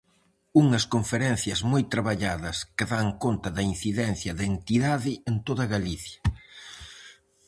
Unhas conferencias moi traballadas, que dan conta da incidencia da entidade en toda Galicia.